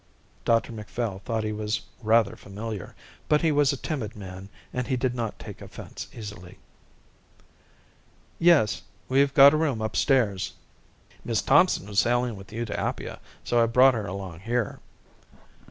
Dr Macphail thought he was rather familiar, but he was a timid man and he did not take offence easily. "Yes, we've got a room upstairs." "Miss Thompson was sailing with you to Apia, so I've brought her along here."